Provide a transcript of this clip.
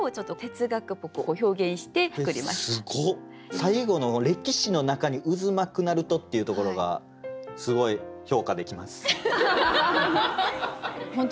最後の「歴史の中に渦巻くなると」っていうところがすごい評価できます。